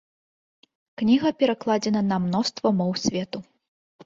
Кніга перакладзена на мноства моў свету.